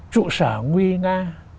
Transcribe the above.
trụ sở nguy nga